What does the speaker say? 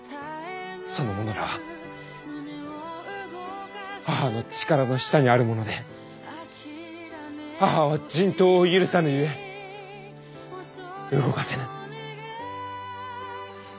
その者らは母の力の下にある者で母は人痘を許さぬゆえ動かせぬ。